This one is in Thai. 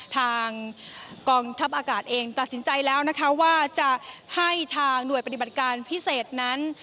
ทางกองทัพอากาศเองตัดสินใจแล้วนะคะว่าจะให้ทางหน่วยปฏิบัติการพิเศษนั้น